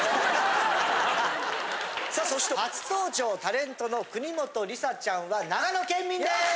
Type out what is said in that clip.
さあそして初登場タレントの国本梨紗ちゃんは長野県民です！